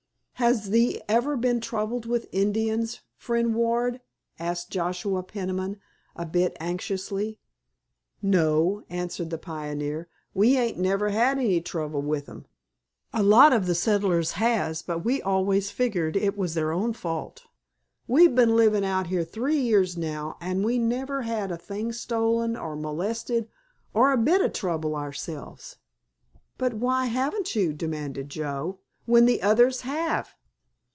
"Has thee ever been troubled with Indians, friend Ward?" asked Joshua Peniman, a bit anxiously. "No," answered the pioneer, "we ain't never had any trouble with 'em. A lot of the settlers has, but I've always figgered it was their own fault. We've been livin' out here three years now, an' we've never had a thing stolen or molested or a bit o' trouble ourselves." "But why haven't you?" demanded Joe, "when the others have?"